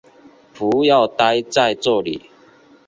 不要待在这里